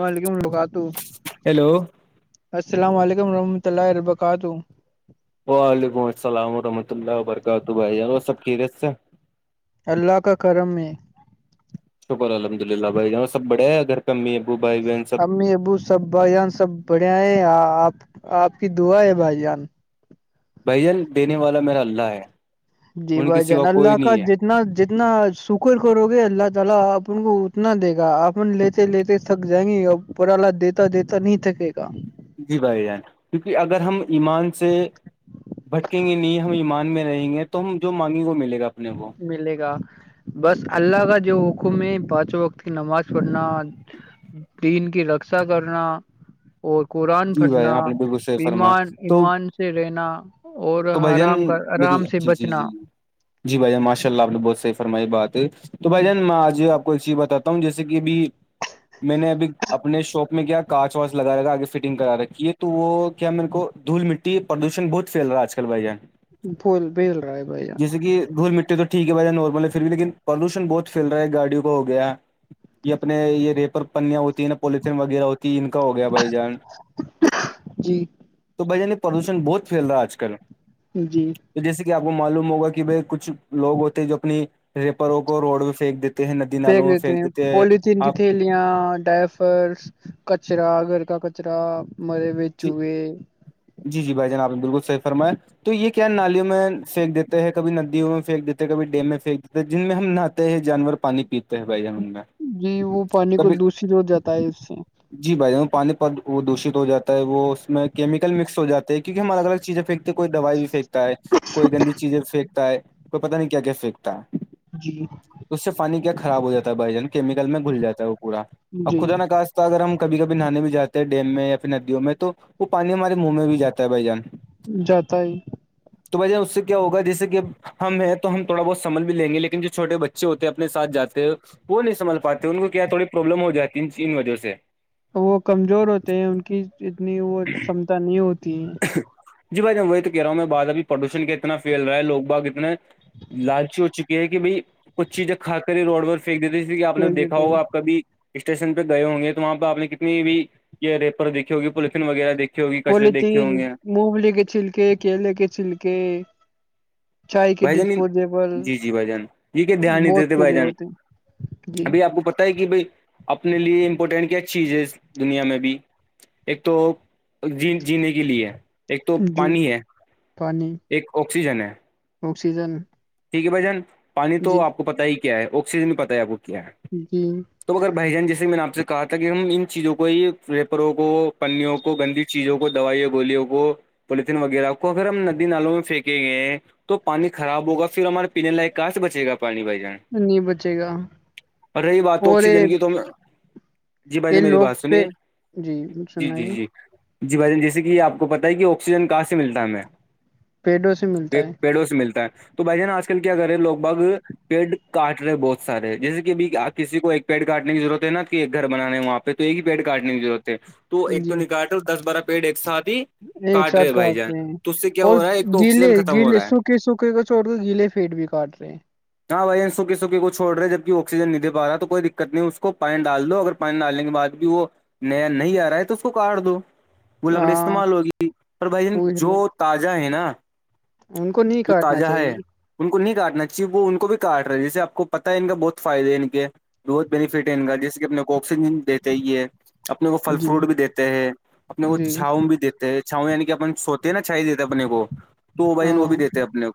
وعلیکم وبرکاتہ ہیلو السلام علیکم رحمۃ اللہ ورکاتہ وعلیکم السلام ورحمۃ اللہ وبرکاتہ بھائی اور سب خیرت سے اللہ کا کرم میں شکر الحمد للہ بھائی یہاں سب بڑے ہیں ا گھر کمی ابو بائی امی ابو سب بھائی جان سب بڑھیا ہے آپ آپ کی دعا ہے بھائی جان بھ جان دینے والا میرا اللہ ہے جی ان کے بھائی سوا جان کوئی اللہ کا نہیں ہے اتنا جتنا سکر کرو گے اللہ تعالی اپن کو اتنا دے گا اپن لیتے سے لیتے تھک جائیں گے اور پرالا دیتا دیتا نہیں تھکے گا جی بھائی جان کیونکہ اگر ہم ایمان سے بھٹکیں گے نہیں ہم ایمان میں رہیں گے تو ہم جو مانگیں گے وہ ملے گا اپنے کو ملے گا بس اللہ کا جو حکم ہے پانچوں وقت کی نماز پڑھنا دین کی رکشا کرنا اور قرآن جی بھائی پھٹنا آپ نے بالکل صحیح فرمایا ایمان تو ایمان سے رہنا اور تو بھائی جان آرام کا میری آرام سے جی جی بچنا جی جی بھائی جان ماشاء اللہ آپ نے بہت صحی فرمائی بات ہے تو بھائی جان میں آج آپ کو سی بتاتا ہوں جیسے کہ ابھی میں نے ابھی اپنے شاپ میں کیا کاانچ واچ لگا رکھا آگے فٹنگ کرا رکھی ہے تو وہ کیا میرے کو دھول مٹی پردوشن بہت فھیل رہا آج کل بھائی ج بھول بل رہا ہے بھیا جیسے کہ گھول مٹی تو ٹھیک ہے وجہ نارمل ہے پھر بھی لیکن پالوشن بہت پھی رہا ہے گاڑیوں کو ہو گ ہے یہ اپنے یہ ریپر پنیاں ہوتی ہیں نا پولیتن وغیرہ ہوتی ہے ان کا ہو گیا بھائی جان جی [inaudible] تو بھائی جانینی پردوشن بہت پھیل رہا آج کل جی تو جیسے کہ آپ کو معلوم ہوگا کہ بھائی کچھ لوگ ہوتے جو اپنی ریپروں کو روڈ و پھینک دیتے ہیں ندی نالوں میں پھینک دیتے ہیں آپ یاں ڈفرس کچرا گھر کا کچرا مرے بیچوئے [unintelligible] جی جی بھائی جان آپ نے بالکل صحیح فرمایں تو یہ کیا نالیوں میں پھینک دیتے ہیں کبھی ندیوں میں پھینک دیتے ہیں کبھی ڈیم میں پھینک دیتے جن میں ہم نہاتے ہیں جانور پانی پیتے ہیں بھائی ہم ان میں جی وہ پانی کو کبھی دشت ہو جاتا ہے اس سے جی بھائی پانی پر وہ دشت ہو جاتا وہ اس میں کیمیکل مکس ہو جات ہے کیونکہ ہم الگ الگ چیزیں پھینکتے ہیں کوئی دوائی بھی پھییکتا ہے کوئی گندی چیزیں پھینکتا ہے کوئی پتاہ نہیں کیا کیا پھینکتا ہے جی اس سے پانی کیا خراب ہو جاتا ہے بھائی جان کیمیکل میں گھل جات ہے وہ پورا اب جی خدا نہ کہا تو اگر ہم کبھی کبھی نہے بھیاتے ہیں ڈیم میں یا ندیوں میں تو وہ پانی ہمارے منہ میں بھی جاتا ہے بھائی جان جاتا ہی تو وجہ اس سے کیا ہوگا جیسے کہ [unintelligible] ہم ہیں تو ہم تھوڑا بہت سمھ بھی لیں گے لیکن جو چھوٹے بچے ہوتے ہیں اپنے سھ جاتے وہ نہیں سمجھ پاتے ان کو کیا تھوڑی پروابلم ہو جاتی ان وجہ سے وہ کمزور ہوتے ہیں ان کی اتنی وہ چمتا نہیں ہوتی ہے جی بھائی ج وہی تو کہہ رہا ہوں میں بات ابھی پردوشن کا اتنا فھیل رہا ہے لوگ باغ اتنے [unintelligible] لالچی ہو چکی ہے کہ بائی کچھ چیزیں کھا کبھی روڈ پر پھییک دیتے جسے آ نے دیکھ دیکھا دیتے ہیں۔ ہوگاپ کبھی اسٹیشن پہ گئے ہوں گے تو وہاں پہ آپ نے کت بھی یہ ریپر دیکھی ہوگی پولیتن وغیرہ دیکھی ہوگی کچرے پلی دیکھے تین ہوں گے مگلی کے چھلکے کیلے کے چھلکے [unintelligible] کے بھائی جان ڈسپوزیبل جی جی بھائی جان یہ کیا دھیان نہیں بہت دیتے بھائی پہلے جان ہوتے ہیں جی ابھی آپ کو پت ہے کہ بھائی اپنے لیے امپورٹینٹ کیا چیز ہے اس دنیا میں بھی ایک تو ج جینے کے لیے [unintelligible] ایک تو جی پانی ہے پانی ایک آکسیجن ہے آکسیجن ٹھیک ہے بھائی جان پانی جی توپ کو پتا ہی کیا ہے آکسیجن بھی پتا ہے آپ کو کیا ہے جی تو اگر بھائی جان جیسے میں نے آپ سے کہا تھا کہ ہم ان چیزوں کو ہی پیپروں کو پیوں کو گندی چیزوں کو دوائییا گوولوں کو پولیتن وغیرہ کو اگر ہم ندی نالوں میں پھینکے گئے ہیں تو پانی خراب ہوگا پھر ہمارے پینے لائق کہاں سے بچےا پانی بھائی جان نہیں بچے گا اور رہی بات تو اور یہ آکسیجن کی تو میں جی بھائی جو یہ میری لوگ بات پہ سنیے جی جی جی سنائی جی جی بھائی جیسے کہ آپ کو پتتا ہے کہ آکسیجن کہاں سے ملتا ہے ہمیں پیڑوں سے پ ملتا پیڑوں سے ملتا ہے تو بھائی ج نا آج کل کیا کرے لوگ بھگ پیڑ کاٹ رہے بہت سارے جیسے کہ ابھی کسی کو ایک پیڑ کاٹنے کی ضرورت ہے نا کہ ایک گھر بنانے ہیں وہاںپ پ تو ایک ہی پیڑ کاٹنے کیضرورت ہے تو ہے ایک تو جی نہیں کاٹ رہ دس بارہ پیڑ ایک ساتھ ہی ایک کاٹ رہے ساتھ بھائی جان کہاتتے ہیں تو اس سے کیا اور ہو رہا ہے ایک تو گیلے آکسیجن ختم ہو گیلے رہا ہے سکھ سکے سکے کا چھوڑ کے گیلے فیڈ بھی کاٹ رہے ہیں ہاں ب سکی سکی کو چوڑ رہے ہیں جب ا آکسیجن نہیں دےا رہا تو کوئی دقت نہیں اس کو پانی ڈال دو اگر [unintelligible] پانی ڈالنے کے بعد بھی وہ نیا نہیں آ رہا ہے تو اس کو کاٹ دو وہ لکڑی ہاں استعمال ہوگی پر بھائی جان جو تازہ ہے نا ان کو ن جو تازہ ہے ان کو نہیں کاٹنا چاہیے وہ ان کو بھی کاٹ رہے ہیں جیسے آ کو پتہ ہے ان کا بہت فائدے ہے ان کے بہت بینیفٹ ہے ان کا جیسے کہ اپنے کو آکسیجن دیتے ہی ہے اپنے کو پھل جی فروٹ بھی دیتے ہیں اپنے کو جی چھاؤں بھی دتے چھاؤں یعنی کہ اپن سوتے ہیں نا چھائی دیتے ہیں اپنے کو تو بھائی ہاں وہ بھی دیتے ہیں اپنے کو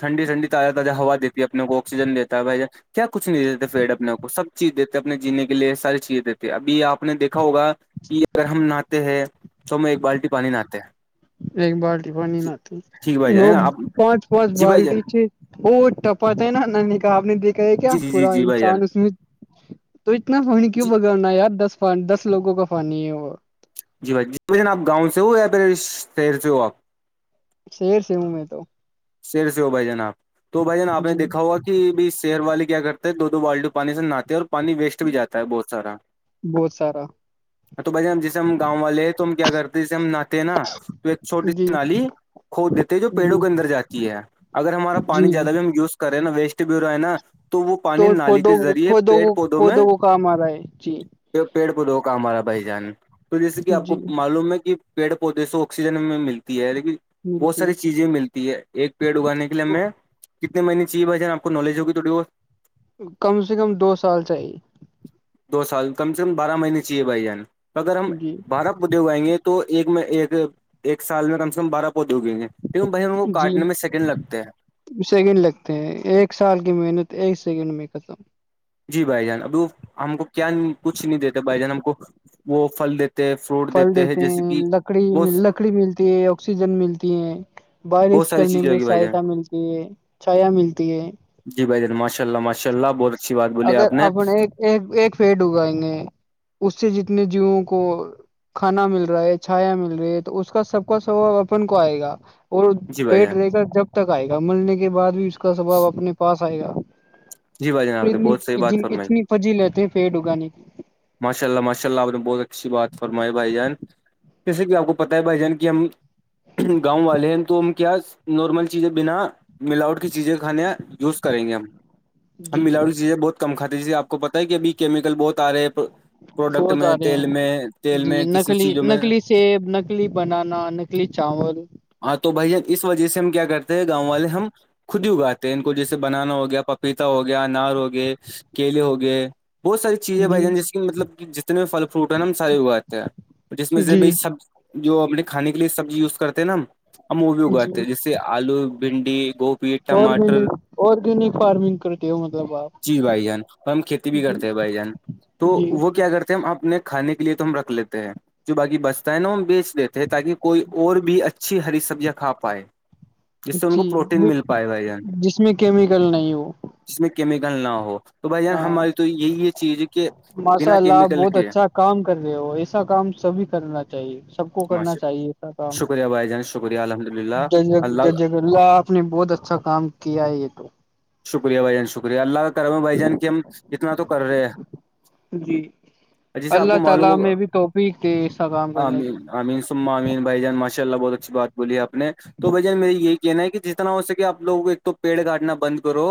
ٹھنڈی ٹنڈی تاز تازہا ہوا دی ہے اپنے کو آکسیجن دیتا ہےھائی ج کیا کچھ نہیں دیتے فیڈ اپنے کو سب چیز دیتے اپنے جینے کے لیے ساری چیزیں دیتے کہ ابھی آپ نے دیکھا ہوگا کہ اگر ہم نہے ہیں تو ہمیں ایک بالٹی پانی نہاتتے ہیں ایک بالٹی پانی نہتی ٹھیک بھائی جان لوگ آپ پانچ پانچ جی بھائی جان بالٹی چ وہ ٹپاتا ہے نا نانی کہا آپ نے دیکھا ہے کیا جی جی جی پورا جی بھائی جان انسان اس میں تو اتنا پانی کیوں جی بگانا ہے یار دس دس لوگوں کا پانی ہے وہ جی بھائی جی بھن آپ گاؤں سے ہو یا پھر شہر سے ہو آپ شیر سے ہوں میں تو سر سے ہو بھائی جان آپ تو بھائی جان آپ نے جی دیکھا ہوا کہ کہ ب شہر والے کیا کرتے ہیں دو بالٹو پانی سے نہاتے اور پانی ویسٹ بھی جاتا ہے بہت سارا بہت سارا را تو بھائی جیسے ہم گاؤں والے ہیں تو ہم کیا کرتے ہیں جیسے ہم ن نہاتے ہیں نا تو ایک چھوٹی جی سی نی کھود دیتے ہیں جو پیڑوں جی کے اندر جات ہے اگر ہمارا جی پانی زیادہ بھی ہم یوز کر رہے نا ویسٹ ب ہو رہا ہے نا تو وہ پانی نالی کے کودوں ذریع کودوں پیڑ کو پودوں میں کودوں کو کام آ رہا ہے جی پ پیڑ پودھوکا ہمارا بھائی جان تو جیسے کہ آپ کو جی معلوم ہے کہ پیڑ پودے سے آکسیجن میں ملتی ہے لیکن بہت ملتی ساری چیزیں ملتی ہے ایک پیڑ اگانے کےے ہمیں کتنے مہینے چاہے بھائی جان آپ کو نالج ہوگی تھوڑی بہت کم سے کم دو سال چاہیے دو سال کم سے کم بارہ مہینے چاہیے بھائی جان تو اگر ہم جی بارہ پودے اگائیں گے تو ایک ایک ایک سال میں کم سے کم بارہ پودے اگائیں گے لیکن بہ جی کاٹنے میں سیکنڈ لگتے ہیں سیکنڈ لگتے ہیں ایک سال کی محنت ایک سیکنڈ میں ختم جی بھائی جان ابھی وہ ہم کو کیا کچھ نہیں دیتے بھائی جان ہم کو وہ پھل دیتے ہیں فروٹ پھل دیتے جیسے ہیں کہ لکڑی بہت لکڑی ملتی ہے آکسیجن ملتی ہیں بہت بارش ساری کرنے چیزیں میں ہوگی بھائی جان سہایتا ملتی ہے چھایا ملتی ہے جی ب جن ماشا اللہ ماشء اللہ بول اگر اپن ایک ایک ایک پیڈ اگائیں گے اس سے جتنے جیووں کو کھانا مل رہا ہے چھایا مل رہی ہے تو اس کا سب کا سوباب اپن کو آئے گا اور جی بھائی پیٹ جان رہے گا جب تک آئے گا ملنے کے بعد بھی اس کا سباؤ اپنے پاس آئے گا جی بھائی جان آپ نے بہت صحیح نینی بات فرمائی اتنی پجی لیتے ہیں پیڑ اگانے ماشاء اللہ ماشاء اللہ آپ نے بہت اچھی بات فرمائے بھائی جان جیسے کہ آپ کو پتتا ہے بھائی جان کی ہم گاؤں والے ہیں تو ہم کیا نارمل چیزیں بنا ملاوٹ کی چیزیں کھانے یوز کریں گے ہم ہم جی ملاوی چیزیں بہت کم کھاتی جیے آپ کو پتا ہے کہ ابھی کیمیکل بہت آ رہے ہیں پروڈکٹ بہت میں آ رہے تیل ہیں میں تیل جی میں کسی نکلی چیزوں میں نکلی سیب نکلی بنانا نکلی چاول ہاں تو بھیا اس وجہ سے ہم کیا کرتے ہیں گاؤں والے ہم خود ہی اگاتے ہیں ان کو جیسے بنانا ہوگا گیا پپیتا ہو گیا انار ہو گ کیلے ہو گئے بہت ساری چیزیں جی بھائی ج جیس کہ مطلب کہ جتنے بھی پل فروٹ ہے ن ہم سارے اگاتے ہیں جس میں سے ب جی سب جو ہم اپنے کھانے کے لیے سبزی یوز کرتے ہیں نا ہم وہ بھی جی اگاتے ہیں جیسے آلو بھنڈی گوب آرگینک آرگینک فارمنگ کرتے ہو مطلب آپ جی بھائی جان اور ہم کھیتی بھی جی کرتے ہیں بھائی جان تو جی وہ کیا کرتے ہیں ہم اپنے کھانے کے لیے تو ہم رکھ لیتے ہیں جو بای بچتا ہے نا ہم بیچ دیتے ہیں تاکہ کوئی اور بھی اچھا اچھی ہری سبزیاں کھ پائے جس سے ان کو جی پروٹین مل پائے بھائی جان جس میں کیمیکل نہیں ہو جس میں کیمیکل نہ ہو تو بھائی جان ہاں ہماری تو یہی یہ چیز ہے کہ ماشاء بنا اللہ آپ کیمیکل بہت کے اچھا کام کر رہے ہو ایسا کام سبھی کرنا چاہیے سب کو کرنا ماشاء اللہ۔ چاہیے ای سا کام شکریہ بھائی جان شکریہ الحمد للہ ج اللہ ججک اللہ آپ نے بہت اچھا کام کیا یہ تو شکریہ بھائی جان شکریہ اللہ کا کرو ہے بھائی جان کی ہم اتنا تو کر رہے ہیں جی جیسے آپ اللہ کو تعالی معلوم ہوگا ہمیں بھی توفیق دے سلام کرنے کی آمین امین سما امین بھ جان ماشاء اللہ بہت اچھی بات بولی ہےپ نے تو بھائیان مے یہی کہنا ہے کہ جس اتنا ہو سک آپ لووں کو ایک تو پیڑ کاٹنا بند کرو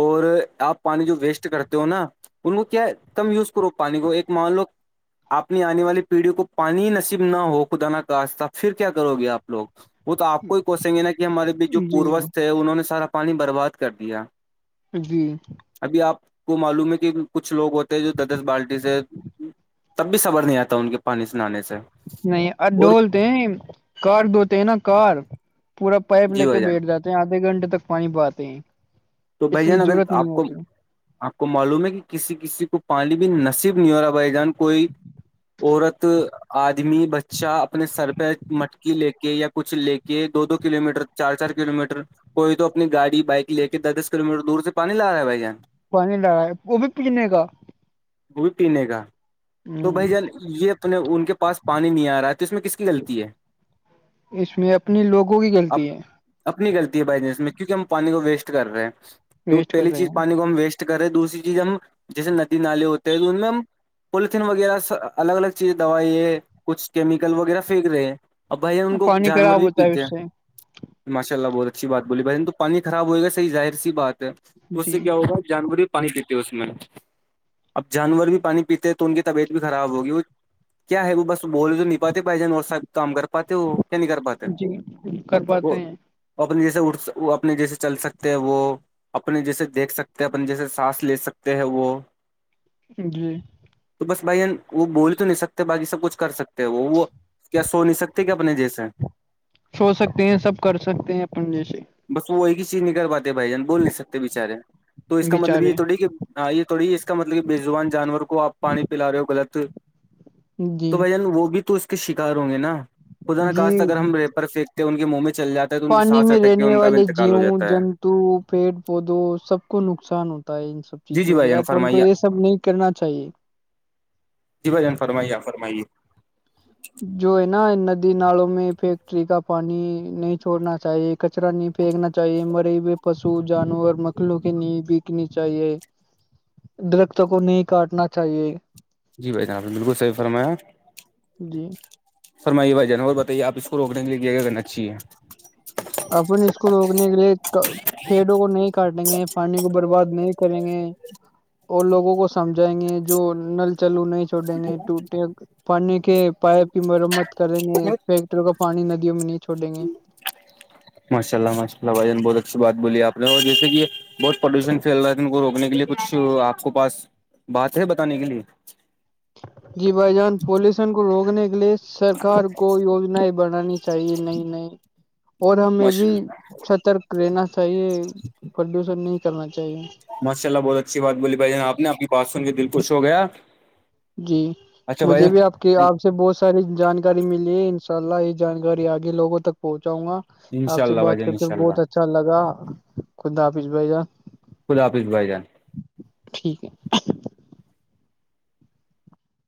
اور آپ پانی جو ویسٹ کرتے ہو نا ان کو کیا کم یوز کرو پانی کو ایک مان لو آپ نے آنے والی پیڑھی کو پانی نصیب نہ ہو خدا نہ کہاستہ پھر کیا کرو گے آپ لوگ وہ تو آپ کو ہی کوسیں گے نا کہ ہمارے بھی جو جی پوروج تھے انہوں نے سارا پانی برباد کر دیا جی ابھی آپ کو معلوم ہے کہ کچھ لوگ ہوتے ہیں جو در دس بالٹی سے تب بھی صبر نہیں آتا ان کے پانی سے نہے سے نہیں آ اور ڈھولتے ہیں کار دھوتے ہیں نا کار پورا پائپ جی لے کے بھائی جان بیٹھ جاتا آدھے گھنٹے تک پانی پاتے ہیں تو بھائی اتنی جان اگر ضرورت نہیں آپ کو ہوتی آپ کو معلوم ہے کہ کسی کسی کو پانی بھی نصیب نہیں ہو رہا بھائی جان کوئی اورورت آدمی بچہ اپنے سر پہ مٹکی لے کے یا کچھ لے کے دو دو کلو میٹرک چار چار کلو میٹر کوئی تو اپنی گاڑی بائک لے کے دس دس کلو میٹر دور سے پانی لا رہا ہے بھائی جان پانی لا وہ بھی پنے کاا وہ بھی پینے کاا تو بھائی ہ جان یہ اپنے ان کے پاس پانی نہیں آ رہا تو اس میں کس کی غلطی ہے اس میں اپنے لوگوں کی اب غلطی ہے اپنی غلط ہے بائزنس میں کیک ہم پانی کو ویسٹ کر رہے ہیں ویسٹ کر پہلی رہے چیز پانی ہیں کو ہم ویسٹ کر ہے دوسری چیز ہم جیسے ندی نالے ہوتے ہیں تو ان میں ہم پولیتھین وغیرہ الگ الگ چیزیں دوائی ہے کچھ کیمیکل وغیرہ پھینک رہے ہیں اب بھائی ان کو پانی جانور خراب بھی ہوتا ہے پیتے اس ہیں سے ماشء اللہ بہت اچھی بات بولی بائی توانی خر ہو گایظاہر سیات تو اس جی سے کیا ہوگا جانور بھی پانی پیتے ہیں اس میں اب جانور بھی پانی پیتے ہیں تو ان کی طبیعت بھی خراب ہوگی وہ کیا ہے وہ بس بول تو نہیںپاتے پائی جان اور سا کام کر پاتے وہ نہیں کر پاتے کرواتے ہیں اپنے جیسے اٹ اپنے جیسے چل سکتے ہیں وہ اپنے جیسے دیکھ سکتے ہیں اپنے جیسے سانس لے سکتے ہیں وہ [inaudible] تو بس بھائیین وہ بول تو نہیں سکتے بقی سب کچھ کر سکتے وہ وہ کیا سو نہیں سکتے کیا اپنے جیسے چھو سکتے ہیں سب کر سکتے ہیں اپن جی سے بس وہ ایک ہی چیز نہیںک کر پاتے بھائی جان بول نہیں سکتے بےچارے تو اس کا مطلب یہ بچارے تھوڑی کہ ہاں یہ تھوڑی اس کا مطلب کہ بے زبان جانور کو آپ پانی پلا رہے ہو غلط تو جی بھ جان وہ بھی تو اس کے شکار ہوں گے نا خدا ن جی کااش اگر ہم ریپر پنک ان کے منہ میں چل جاتے پانی میں رہنے والے جیو ہے جنتو پیڑ پودوں سب کو نقصان ہوتا ہے سب چیز جی جی بھائی جو جان اپن کو فرمائیے یہ سب نہیں کرنا چاہیے جی بھائین فرمائیے فرمائیے جو ہے نا ندی نالوں میں فیکٹری کا پانی نہیں چھوڑنا چاہیے کچرا نہیں پھیننا چاہیے مرے ہوئے پشو جانور مکھلوں کی ن بکنی چاہیے [inaudible] درختوں کو نہیں کاٹنا چاہیے جی بھائی جناب نے بالکل صحیح فرمایا [inaudible] سرمائی یہ بائی جانا اور بتائیے آپ اس کو روکنے کے لیے کرناچاہیے اپ اس کو روکنے کے لیے پیڑوں کو نہیں کاٹیں گے پانی کو برباد نہیں کریں گے اور لوگوں کو سمجھائیں گے جو نل چلو نہیں چھوٹیں گے ٹوٹے پانی کے پائپ کی مرمت کریں گے کا پانی ندیوں میں نہیں چھوڑیں گے ماشاء اللہ ماشء اللہ بھ بہت اچھی بات بولی آپ نے اور جیسے یہ بہت پدوشن پھیل رہا تھا ان کو روکنے کے لیے کچھ آپ کو پاس بات ہے بتانے کے لیے جی بھائی جان پالوشن کو روکنے کے لیے سرکار کو یوجناائیں بنانی چاہیے نہیں نہیں اور ہمیں بھی ماشاء سترک رہنا چاہیے پردیوشن نہیں کرنا چاہیے ماشاء اللہ بہت اچھی بات بولی بھائی ج آپ نے آپ بات سن کے دل خوش ہو گیا جی اچھا بھائی مجھے بھی آپ کہ جان آپ سے بہت ساری جانکاری ملی ہے ان شاء اللہ یہ جانکاری آگے لوگوں تک پہنچاؤں گا ان شاء آپ سے اللہ بھائی بات جان ان کرتے شاء بہت اللہ اچھا لگا خد حافظ بھائی جان خدل حافظ بھائی جان [unintelligible] [inaudible]